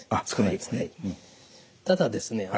ただですね